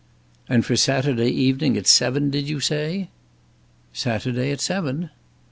"And for Saturday evening at seven, did you say?" "Saturday at seven."